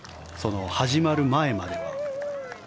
始まる前までは。